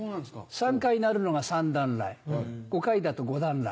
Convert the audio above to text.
３回鳴るのが三段雷５回だと五段雷。